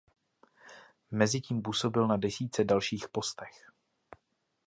Mezitím působil na desítce dalších postech.